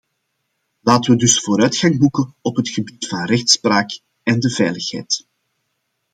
Laten we dus vooruitgang boeken op het gebied van de rechtspraak en de veiligheid.